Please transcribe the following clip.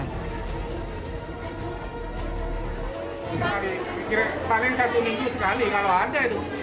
kira kira satu minggu sekali kalau ada itu